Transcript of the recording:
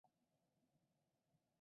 汉承秦制。